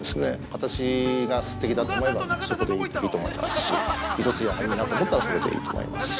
私がすてきだと思えばそこでいいと思いますし色つやがいいなと思ったらそれでいいと思いますし。